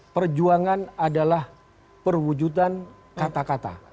perjuangan adalah perwujudan kata kata